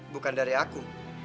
bukan dari aku